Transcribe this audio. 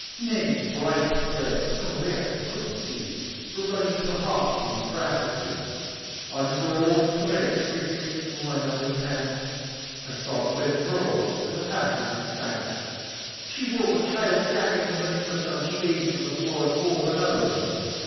Many bright threads, From where I couldn't see, Were running through the harp strings Rapidly, And gold threads whistling Through my mother's hand. I saw the web grow, And the pattern expand. She wove a child's jacket, And when it was done She laid it on the floor And wove another one.